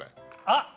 あっ！